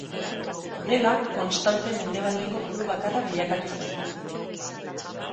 Honela, Konstante mendebaldeko buru bakarra bilakatu zen.